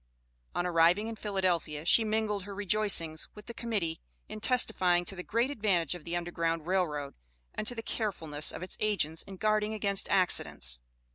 On arriving in Philadelphia, she mingled her rejoicings with the Committee in testifying to the great advantage of the Underground Rail Road, and to the carefulness of its agents in guarding against accidents.